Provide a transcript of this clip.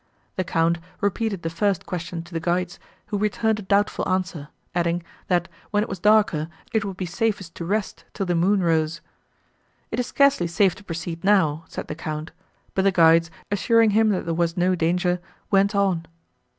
The Count repeated the first question to the guides, who returned a doubtful answer, adding, that, when it was darker, it would be safest to rest, till the moon rose. "It is scarcely safe to proceed now," said the Count; but the guides, assuring him that there was no danger, went on.